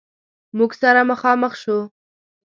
موږ سره مخامخ شو.